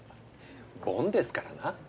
ボンですからな。